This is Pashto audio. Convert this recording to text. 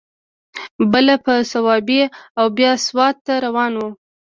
بله په صوابۍ او بیا سوات ته روان و.